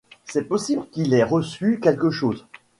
C’est possible qu’il ait reçu quelque chose.